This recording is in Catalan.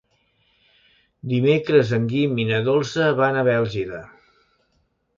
Dimecres en Guim i na Dolça van a Bèlgida.